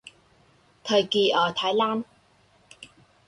Thời kỳ ở Thái Lan